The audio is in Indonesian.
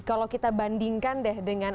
kalau kita bandingkan deh dengan